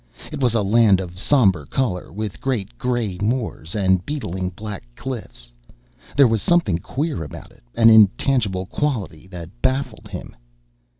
It was a land of somber color, with great gray moors, and beetling black cliffs. There was something queer about it, an intangible quality that baffled him.